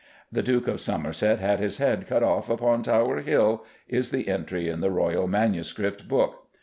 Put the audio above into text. "The Duke of Somerset had his head cut off upon Touer Hill" is the entry in the royal manuscript book.